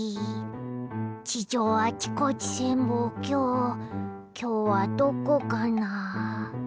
地上あちこち潜望鏡きょうはどこかな？